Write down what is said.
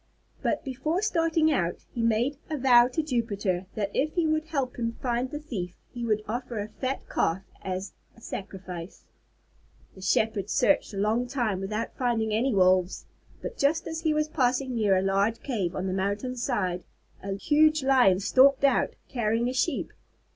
But before starting out he made a vow to Jupiter that if he would help him find the thief he would offer a fat Calf as a sacrifice. The Shepherd searched a long time without finding any Wolves, but just as he was passing near a large cave on the mountain side, a huge Lion stalked out, carrying a Sheep.